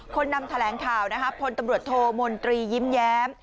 คนนำแถลงข่าวนะครับพลตำรวจโทมนตรียิ้มแย้ม